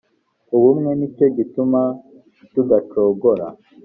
ubumwe ni cyo gituma tudacogora .